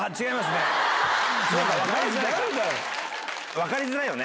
分かりづらいよね